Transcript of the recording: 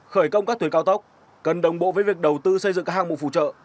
khởi công các tuyến cao tốc cần đồng bộ với việc đầu tư xây dựng các hàng mục phụ trợ